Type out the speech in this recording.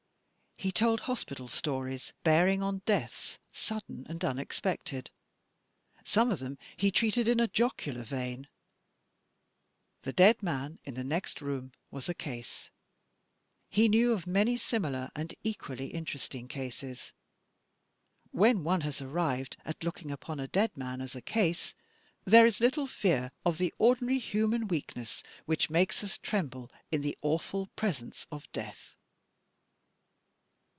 He told hospital stories bearing on deaths sudden and unexpected; some of them he treated in a jocular vein. The dead man in the next room was a Case: he knew of many similar and equally interesting Cases. When one has arrived at looking upon a dead man as a Case, there is little fear of the ordinary human weakness which makes us tremble in the awful presence of death.